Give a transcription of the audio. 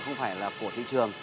không phải là của thị trường